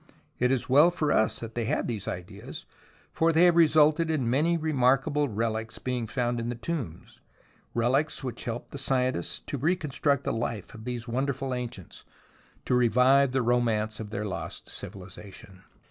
It is well for us that they had these ideas, for they have resulted in many remarkable relics being found in the tombs, relics which help the scientists to reconstruct the life of these wonderful ancients, to revive the romance of their lost civilization.